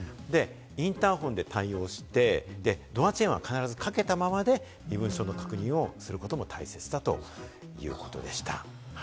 インターフォンで対応して、ドアチェーンは必ずかけたままで身分証の確認をすることが大切だということでした。